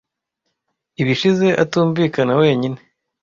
I bishize atumvikana, wenyine.